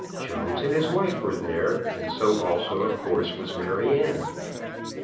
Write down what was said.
Jones and his wife were there, and so also, of course, was Maryanne.